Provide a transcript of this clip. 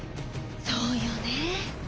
そうよね！